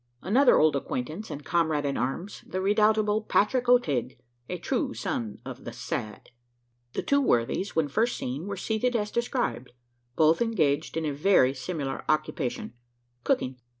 Another old acquaintance and comrade in arms the redoubtable Patrick O'Tigg a true son of the "Sad." The two worthies, when first seen, were seated as described both engaged in a very similar occupation cooking.